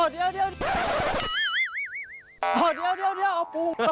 อ๋อเดี๋ยว